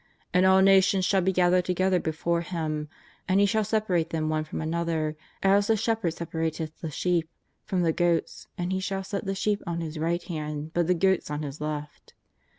And all nations shall be gath' ered together before Him, and He shall separate them one from another as the shepherd separateth the sheep from the goats, and He shall set the sheep on His right hand, but the goats on His left.